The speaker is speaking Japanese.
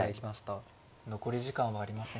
残り時間はありません。